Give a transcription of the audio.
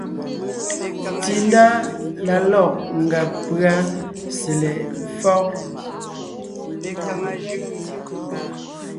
Tsindá la lɔ̂g ngàb pʉ́a sele éfɔ́g.